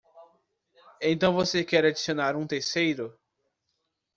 Então você quer adicionar um terceiro?